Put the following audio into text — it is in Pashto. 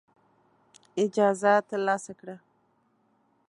اجازه ترلاسه کړه.